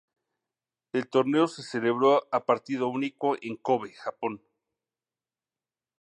El torneo se celebró a partido único en Kōbe, Japón.